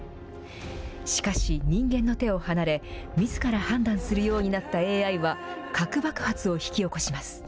しかし、人間の手を離れ、みずから判断するようになったＡＩは、核爆発を引き起こします。